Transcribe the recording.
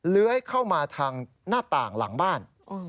เลื้อยเข้ามาทางหน้าต่างหลังบ้าน